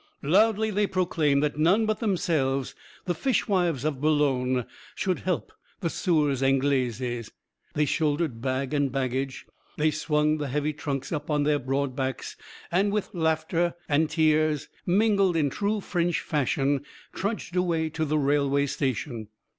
Loudly they proclaimed that none but themselves, the fishwives of Boulogne, should help the soeurs Anglaises. They shouldered bag and baggage; they swung the heavy trunks up on their broad backs, and with laughter and tears mingled in true French fashion, trudged away to the railway station.